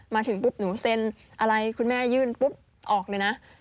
มาถึงปุ๊บหนูเซ็นอะไรคุณแม่ยื่นปุ๊บออกเลยนะ